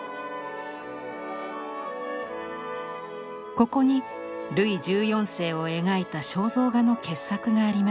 ここにルイ１４世を描いた肖像画の傑作があります。